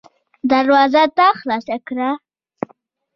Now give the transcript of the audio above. دروازه تا خلاصه کړه.